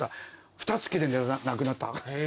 ふたつきでなくなった。